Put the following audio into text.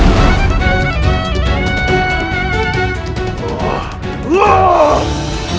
yang terakhir adalah tiga jelajahmu